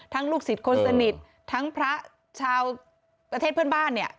ลูกศิษย์คนสนิททั้งพระชาวประเทศเพื่อนบ้านเนี่ย